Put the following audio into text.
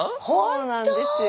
そうなんですよ。